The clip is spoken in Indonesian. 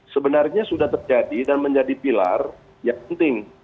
sebenarnya sudah terjadi dan menjadi pilar yang penting